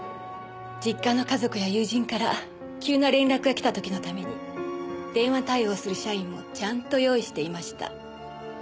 実家の家族や友人から急な連絡が来た時のために電話対応する社員もちゃんと用意していました。